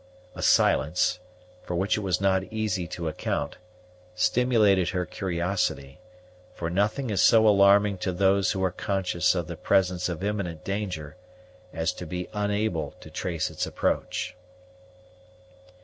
A silence, for which it was not easy to account, stimulated her curiosity; for nothing is so alarming to those who are conscious of the presence of imminent danger, as to be unable to trace its approach.